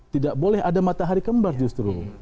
tidak boleh ada matahari kembar justru